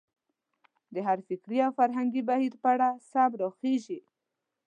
د هر فکري او فرهنګي بهیر په اړه سم راخېژي.